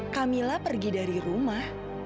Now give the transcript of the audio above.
kamila pergi dari rumah